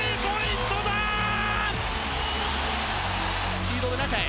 スピードで中へ。